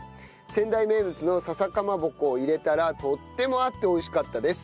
仙台名物の笹かまぼこを入れたらとっても合って美味しかったです。